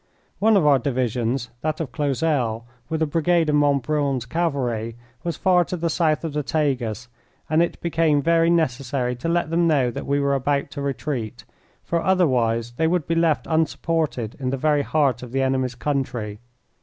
One of our divisions, that of Clausel, with a brigade of Montbrun's cavalry, was far to the south of the Tagus, and it became very necessary to let them know that we were about to retreat, for otherwise they would be left unsupported in the very heart of the enemy's country.